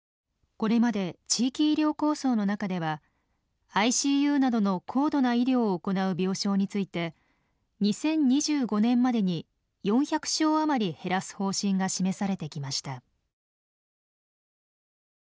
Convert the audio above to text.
これまで地域医療構想の中ではＩＣＵなどの高度な医療を行う病床について２０２５年までに４００床あまり減らす方針が示されてきました。